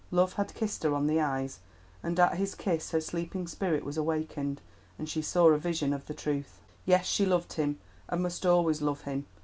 Love had kissed her on the eyes, and at his kiss her sleeping spirit was awakened, and she saw a vision of the truth. Yes, she loved him, and must always love him!